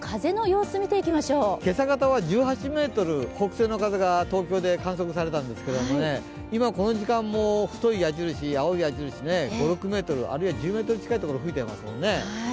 今朝方は１８メートル、北西の風が東京で観測されたんですけど、この時間も太い矢印、細い矢印５６メートル、あるいは１０メートル近く吹いてますね。